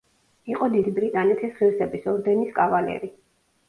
იყო დიდი ბრიტანეთის ღირსების ორდენის კავალერი.